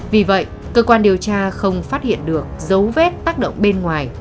vì vậy cơ quan điều tra không phát hiện được dấu vết tác động bên ngoài